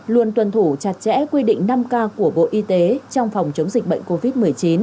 luôn tuân thủ chặt chẽ quy định năm k của bộ y tế trong phòng chống dịch bệnh covid một mươi chín